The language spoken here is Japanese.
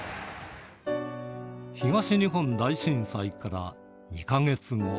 東日本大震災から２か月後。